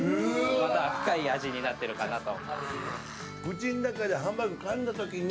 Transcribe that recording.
また深い味になっているかと。